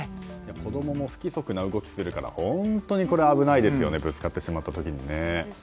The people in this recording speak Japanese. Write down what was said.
子供も不規則な動きをするから本当に危ないですよねぶつかってしまった時にね。